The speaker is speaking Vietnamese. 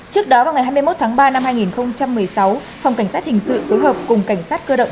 trước đó vào ngày hai mươi một tháng ba năm hai nghìn một mươi sáu phòng cảnh sát hình sự phối hợp cùng cảnh sát cơ động